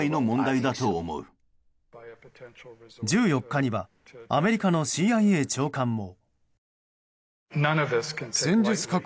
１４日にはアメリカのＣＩＡ長官も。